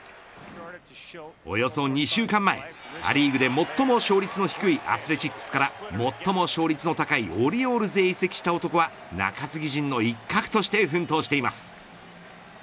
およそ２週間前ア・リーグで最も勝率の低いアスレチックスから、最も勝率の高いオリオールズへ移籍した男は中継ぎ陣の一角として奮闘しています。